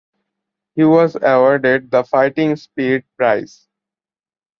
He was awarded the Fighting Spirit prize.